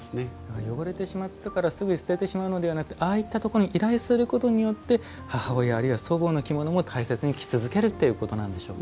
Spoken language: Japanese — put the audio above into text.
汚れてしまったからすぐに捨ててしまうのではなくてああいったところに依頼することによって母親あるいは祖母の着物も大切に着続けるということなんでしょうか。